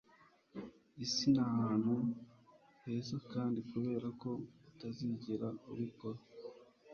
isi ni ahantu hezakandi kubera ko utazigera ubikora